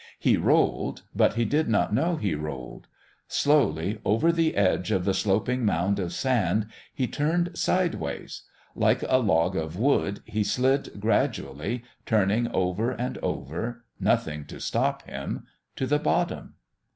He rolled; but he did not know he rolled. Slowly, over the edge of the sloping mound of sand, he turned sideways. Like a log of wood he slid gradually, turning over and over, nothing to stop him to the bottom.